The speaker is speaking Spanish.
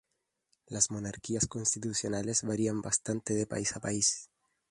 Las monarquías constitucionales varían bastante de país a país.